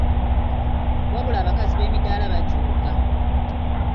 Wabula abakazi b’emidaala bajooga.